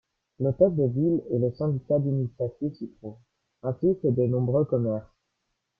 L'hôtel de ville et le syndicat d'initiative s'y trouvent, ainsi que de nombreux commerces.